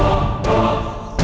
ada apaan sih